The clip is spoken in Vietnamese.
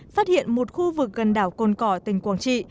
phát hiện một khu vực gần đảo cồn cỏ tỉnh quảng trị